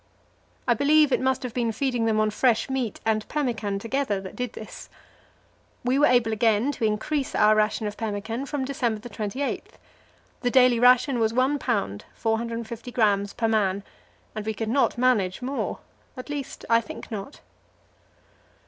I believe it must have been feeding them on fresh meat and pemmican together that did this. We were again able to increase our ration of pemmican from December 28; the daily ration was 1 pound (450 grams) per man, and we could not manage more at least, I think not.